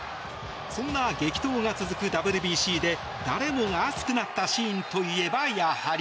そんな激闘が続くＷＢＣで誰もが熱くなったシーンといえばやはり。